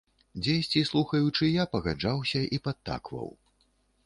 Дзесьці, слухаючы, я пагаджаўся і падтакваў.